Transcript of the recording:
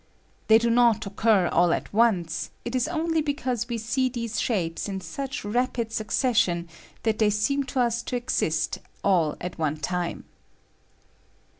They do not occur all at once ; it is only because we see these shapes in such rapid succession that they seem to us to exist all at one time.